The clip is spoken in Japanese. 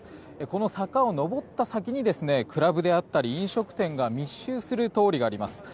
この坂を上った先にクラブであったり飲食店が密集する通りがあります。